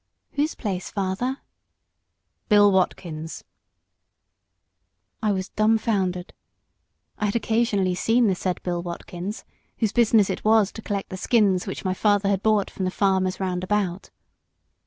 "Whose place, father?" "Bill Watkins'." I was dumb foundered! I had occasionally seen the said Bill Watkins, whose business it was to collect the skins which my father had bought from the farmers round about.